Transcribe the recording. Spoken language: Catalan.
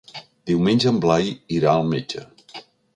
Diumenge en Blai irà al metge.